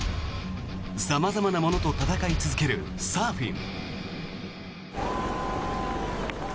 様々なものと戦い続けるサーフィン。